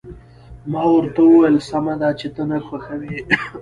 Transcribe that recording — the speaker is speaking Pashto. ما ورته وویل: سمه ده، چې ته نه خوښوې.